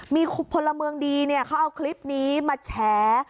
มีคนละเมืองดีเนี่ยเขาเอาคลิปนี้มาแชร์